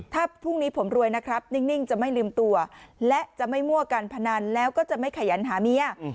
ถ้าพรุ่งนี้ผมรวยนะครับนิ่งจะไม่ลืมตัวและจะไม่มั่วการพนันแล้วก็จะไม่ขยันหาเมีย